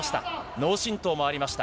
脳震とうもありました。